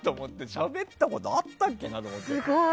しゃべったことあったっけな？と思って。